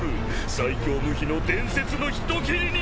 最強無比の伝説の人斬りにな！